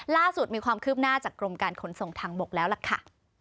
ล่าสุดมีความคืบหน้าจากกรมการขนส่งทางบกแล้วล่ะค่ะ